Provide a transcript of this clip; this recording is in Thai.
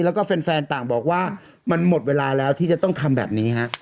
แล้วก็แฟนต่างบอกว่ามันหมดเวลาแล้วที่จะต้องทำแบบนี้ฮะ